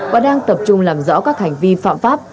và đang tập trung làm rõ các hành vi phạm pháp